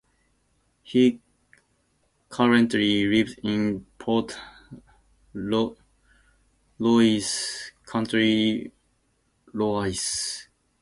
He currently lives in Port Laoise, County Laois.